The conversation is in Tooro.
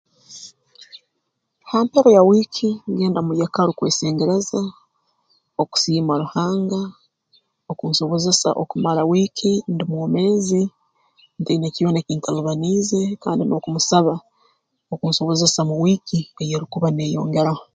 Ha mpero ya wiiki ngenda mu yeekaru kwesengereza okusiima Ruhanga okunsobozesa okumara wiiki ndi mwomeezi ntaine kyona ekintalubaniize kandi n'okumusaba okunsobozesa mu wiiki ey'erukuba neeyongeraho